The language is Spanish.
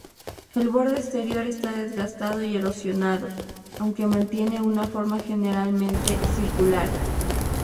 El borde exterior está desgastado y erosionado, aunque mantiene una forma generalmente circular.